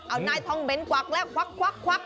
เอานายท่องเน้นกวักแล้วควัก